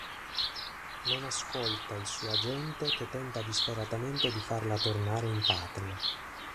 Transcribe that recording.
Non ascolta il suo agente che tenta disperatamente di farla tornare in patria.